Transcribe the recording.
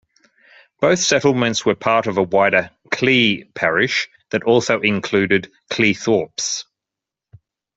Both settlements were part of a wider Clee parish that also included Cleethorpes.